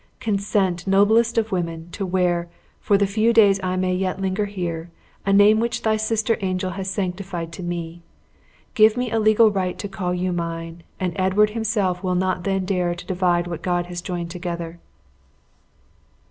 Consent, noblest of women, to wear, for the few days I may yet linger here, a name which thy sister angel has sanctified to me. Give me a legal right to call you mine, and Edward himself will not then dare to divide what God has joined together!"